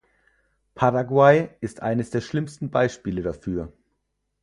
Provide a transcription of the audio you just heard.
Paraguay ist eines der schlimmsten Beispiele dafür.